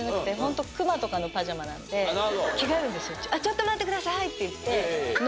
ちょっと待ってください！って言って。